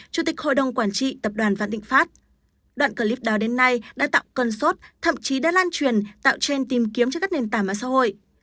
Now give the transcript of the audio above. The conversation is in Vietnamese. chủ tịch hội đồng quản trị tập đoàn văn định phát đoạn clip đó đến nay đã tạo cân sốt thậm chí đã lan truyền tạo trend tìm kiếm cho các nền tả mạng xã hội